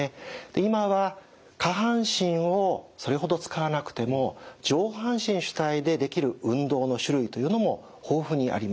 今は下半身をそれほど使わなくても上半身主体でできる運動の種類というのも豊富にあります。